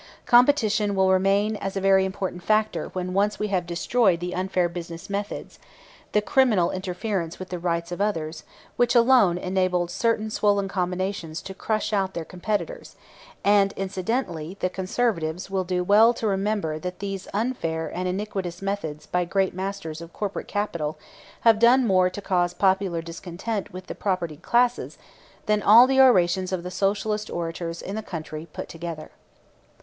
Competition will remain as a very important factor when once we have destroyed the unfair business methods, the criminal interference with the rights of others, which alone enabled certain swollen combinations to crush out their competitors and, incidentally, the "conservatives" will do well to remember that these unfair and iniquitous methods by great masters of corporate capital have done more to cause popular discontent with the propertied classes than all the orations of all the Socialist orators in the country put together.